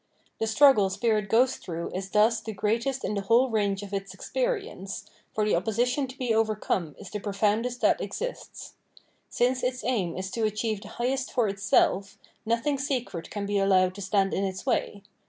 Tbe struggle spirit goes tbrongb is tbns tbe greatest in tbe whole range of its experience, for tbe opposition to be overcome is tbe profoundest that exists. Since its aim is to achieve tbe highest for itself, nothing sacred can be allowed to stand in its way.